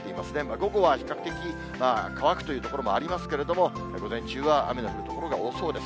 午後は比較的乾くという所もありますけれども、午前中は雨の降る所が多そうです。